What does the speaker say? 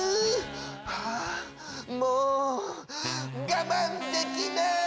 はぁもうがまんできない！